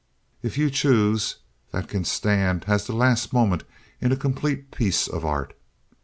If you choose, that can stand as the last moment in a completed piece of art.